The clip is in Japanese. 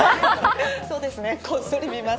そうですね、こっそり見ます。